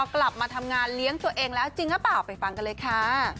กลับมาทำงานเลี้ยงตัวเองแล้วจริงหรือเปล่าไปฟังกันเลยค่ะ